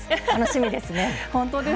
楽しみですね。